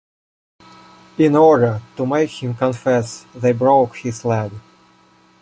In order to make him confess, they broke his leg.